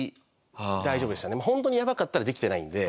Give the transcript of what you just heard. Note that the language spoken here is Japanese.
ホントにやばかったらできてないので。